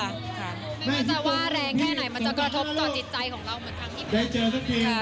คุณจะว่าแรงแค่ไหนมันจะกระทบต่อจิตใจของเราเหมือนทั้งที่ไหม